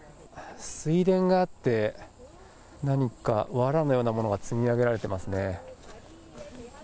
水田があって、何かわらのようなものが積み上げられていますね。